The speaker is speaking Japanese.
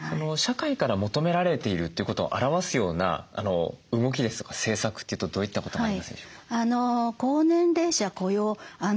社会から求められているということを表すような動きですとか政策っていうとどういったことがありますでしょうか？